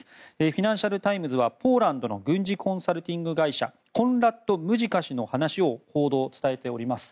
フィナンシャル・タイムズはポーランドの軍事コンサルティング会社コンラッド・ムジカ氏の話を伝えております。